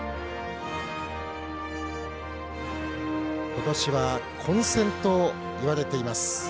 今年は混戦といわれています。